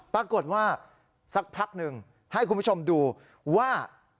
ปรากฏว่าสักพักหนึ่งให้คุณผู้ชมดูว่า